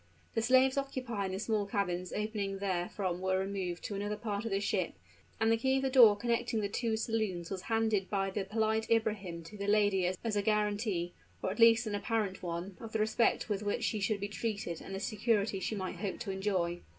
The slaves occupying the small cabins opening therefrom were removed to another part of the ship; and the key of the door connecting the two saloons was handed by the polite Ibrahim to the lady as a guaranty, or at least an apparent one, of the respect with which she should be treated and the security she might hope to enjoy.